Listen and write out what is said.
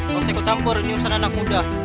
kau seko campur ini usaha anak muda